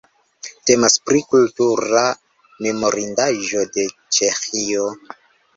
Temas pri kultura memorindaĵo de Ĉeĥio.